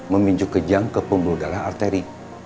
memicu kejang ke pembuluh darah arteri